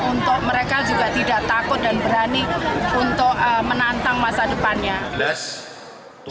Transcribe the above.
untuk mereka juga tidak takut dan berani untuk menantang masa depannya